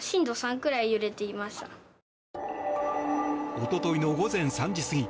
おとといの午前３時過ぎ